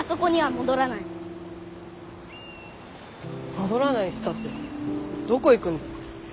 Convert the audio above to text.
戻らないっつったってどこ行くんだよ？